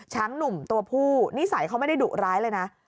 หนุ่มตัวผู้นิสัยเขาไม่ได้ดุร้ายเลยนะ